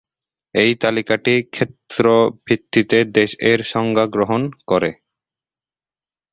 এই তালিকাটি ক্ষেত্র ভিত্তিতে "দেশ"-এর সংজ্ঞা গ্রহণ করে।